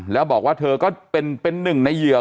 แล้วบอกว่าเธอก็เป็นหนึ่งในเหยื่อ